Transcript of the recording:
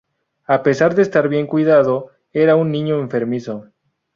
A pesar de estar bien cuidado, era un niño enfermizo.